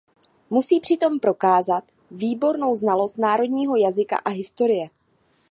Musí přitom prokázat výbornou znalost národního jazyka a historie.